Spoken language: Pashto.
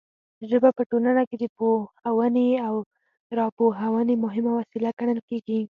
ژبه په ټولنه کې د پوهونې او راپوهونې مهمه وسیله ګڼل کیږي.